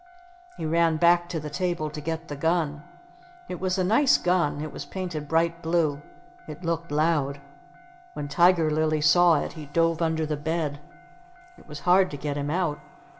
He ran back to the table to get the gun. It was a nice gun. It was painted bright blue. It looked loud. When Tiger Lily saw it he dove under the bed. It was hard to get him out.